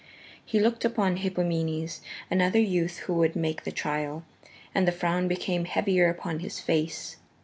He looked upon Hippomenes, another youth who would make the trial, and the frown became heavier upon his face.